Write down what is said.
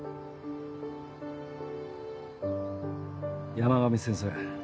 山上先生